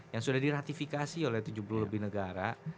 yang sudah diratifikasi oleh tujuh puluh lebih negara